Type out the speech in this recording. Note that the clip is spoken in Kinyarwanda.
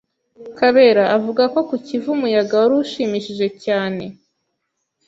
Kabera avuga ko ku kivu umuyaga wari ushimishije cyane.